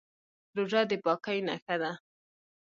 روژه د پاکۍ نښه ده.